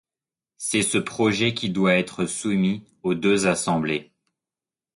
C'est ce projet qui doit être soumis aux deux assemblées.